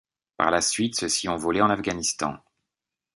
Par la suite ceux-ci ont volé en Afghanistan.